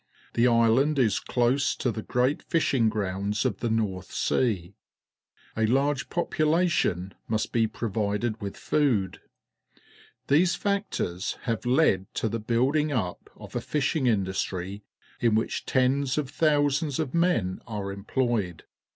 The island is close to the great fishing grounds of the North Sea. A large population must be proA'ided with food. These factors have led to the building up of a fisliing industry in which tens of thousands of men are employed.